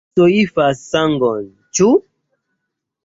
Vi soifas sangon, ĉu?